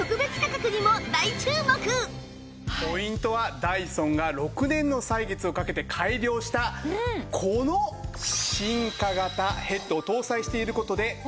ポイントはダイソンが６年の歳月をかけて改良したこの進化型ヘッドを搭載している事で。